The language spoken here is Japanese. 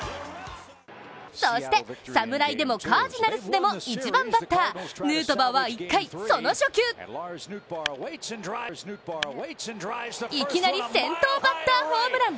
そして、侍でもカージナルスでも１番バッターヌートバーは１回その初球、いきなり先頭バッターホームラン。